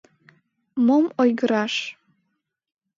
Мом ойгыраш!